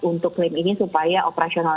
untuk tim ini supaya operasional